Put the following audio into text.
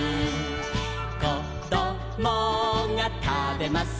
「こどもがたべます